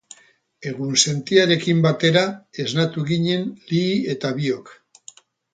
Egunsentiarekin batera esnatu ginen Lihi eta biok.